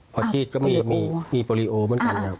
พอชีพก็มีโปรลิโอเหมือนกันครับ